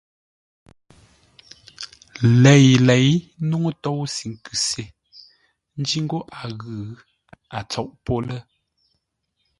Léi-lěi nuŋú tóusʉ nkʉ se, ńjí ńgó a ghʉ, a tsôʼ pô lə́.